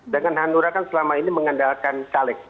dengan hanura kan selama ini mengandalkan caleg